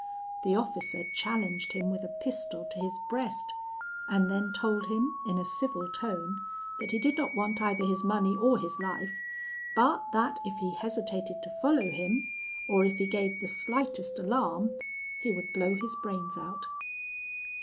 The officer challenged him with a pistol to his breast, and then told him, in a civil tone, that he did not want either his money or his life; but that if he hesitated to follow him, or if he gave the slightest alarm, he would blow his brains out.